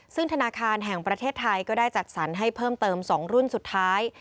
ซึ่งธนาคารแห่งประเทศไทยก็ได้จัดสรรให้เพิ่มเติม๒รุ่นสุดท้าย